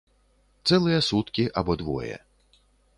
Цэлыя суткі або двое.